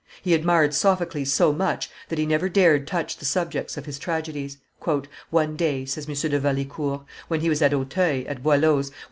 He admired Sophocles so much that he never dared touch the subjects of his tragedies. "One day," says M. de Valicour, "when he was at Auteuil, at Boileau's, with M.